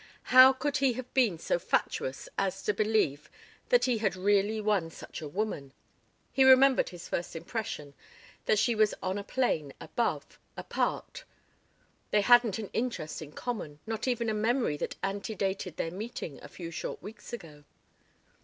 How could he have been so fatuous as to believe that he had really won such a woman? He remembered his first impression: that she was on a plane above, apart. They hadn't an interest in common, not even a memory that antedated their meeting a few short weeks ago.